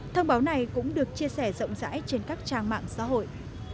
thông báo này cũng được chia sẻ rộng rãi trên các trang mạng xã hội